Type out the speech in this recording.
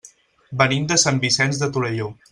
Venim de Sant Vicenç de Torelló.